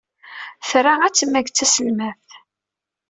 Tra ad temmag d taselmadt